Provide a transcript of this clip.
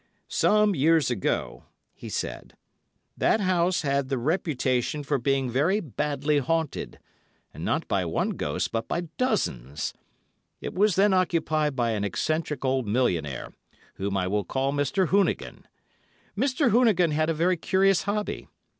"Some years ago," he said, "that house had the reputation for being very badly haunted, and not by one ghost, but by dozens. It was then occupied by an eccentric old millionaire, whom I will call Mr. Hoonigan. Mr. Hoonigan had a very curious hobby.